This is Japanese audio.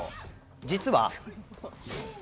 実は。